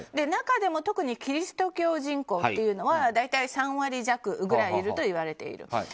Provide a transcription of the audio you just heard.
中でも特にキリスト教人口というのは大体３割弱ぐらいいるといわれている。